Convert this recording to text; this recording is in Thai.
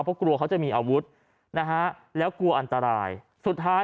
เพราะกลัวเขาจะมีอาวุธนะฮะแล้วกลัวอันตรายสุดท้าย